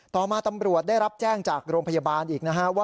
ต่อมาตำรวจได้รับแจ้งจากโรงพยาบาลอีกนะฮะว่า